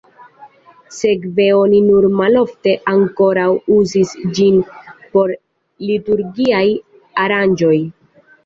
Sekve oni nur malofte ankoraŭ uzis ĝin por liturgiaj aranĝoj.